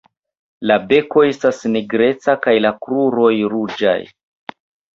La beko estas nigreca kaj la kruroj ruĝaj.